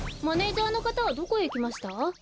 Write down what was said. マネージャーのかたはどこへいきました？